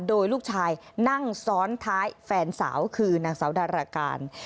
โดยลูกชายนั่งซ้อนท้ายแฟนสาวคือนางสาวดาราการ